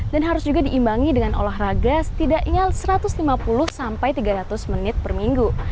dan harus juga diimbangi dengan olahraga setidaknya satu ratus lima puluh sampai tiga ratus menit per minggu